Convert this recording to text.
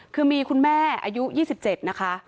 คือมีคุณแม่อายุ๒๗นะคะ